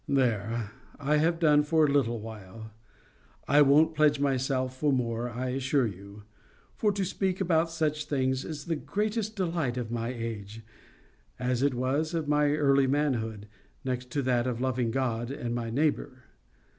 There, I have done for a little while. I won't pledge myself for more, I assure you. For to speak about such things is the greatest delight of my age, as it was of my early manhood, next to that of loving God and my neighbour.